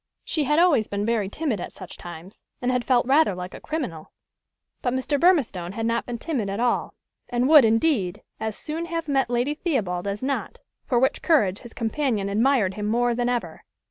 She had always been very timid at such times, and had felt rather like a criminal; but Mr. Burmistone had not been timid at all, and would, indeed, as soon have met Lady Theobald as not, for which courage his companion admired him more than ever.